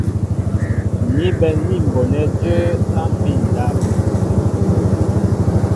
Ni bɛ̌n ní m̀bonɛ́ jə̌ á mbí' ndáp.